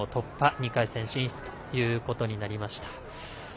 ２回戦進出ということになりました。